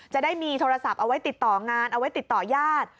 จะได้มีโทรศัพท์เอาไว้ติดต่องานเอาไว้ติดต่อญาติ